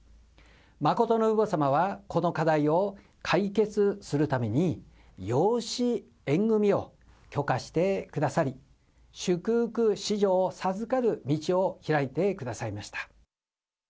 真の父母様はこの課題を解決するために養子縁組を許可してくださり、祝福子女を授かる道を開いてくださいました。